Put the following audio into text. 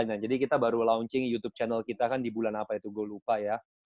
nah jadi kita baru launching youtube channel kita kan di bulan apa itu gue lupa ya